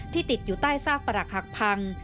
ติดอยู่ใต้ซากปรักหักพัง